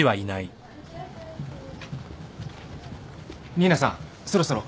新名さんそろそろ。